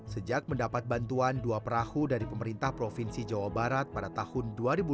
sejak mendapat bantuan dua perahu dari pemerintah provinsi jawa barat pada tahun dua ribu dua puluh